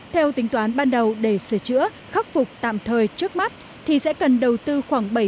theo tính toán ban đầu để sửa chữa khắc phục tạm thời trước mắt thì sẽ cần đầu tư khoảng bảy tỷ đồng